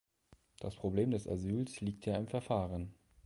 Das Problem des Asyls liegt ja im Verfahren.